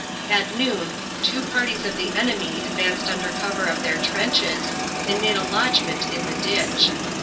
At noon two parties of the enemy advanced under cover of their trenches and made a lodgment in the ditch.